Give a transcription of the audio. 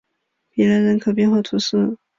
比莱人口变化图示